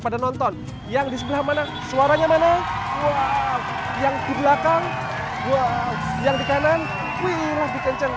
pada nonton yang di sebelah mana suaranya mana yang di belakang gua yang di kanan wih lebih kencang